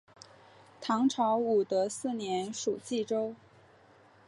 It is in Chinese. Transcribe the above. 唐朝武德四年属济州。